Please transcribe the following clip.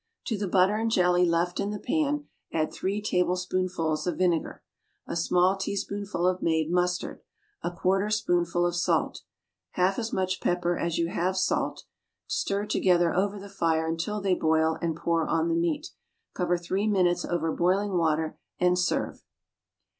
To the butter and jelly left in the pan add three tablespoonfuls of vinegar. A small teaspoonful of made mustard. A quarter spoonful of salt. Half as much pepper as you have salt. Stir together over the fire until they boil, and pour on the meat. Cover three minutes over boiling water, and serve.